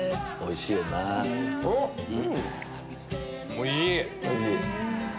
おいしい！